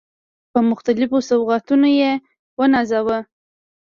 په مختلفو سوغاتونو يې ونازاوه.